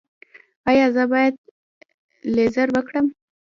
ایا زه باید لیزر وکړم؟